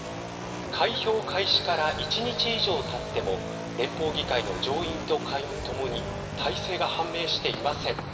開票開始から１日以上たっても連邦議会の上院と下院ともに大勢が判明していません。